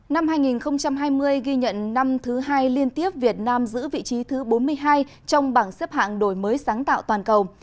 năm hai nghìn hai mươi ghi nhận năm thứ hai liên tiếp việt nam giữ vị trí thứ bốn mươi hai trong bảng xếp hạng đổi mới sáng tạo toàn cầu